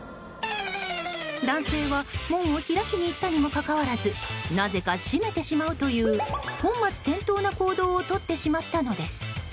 男性は門を開きに行ったにもかかわらずなぜか閉めてしまうという本末転倒な行動をとってしまったのです。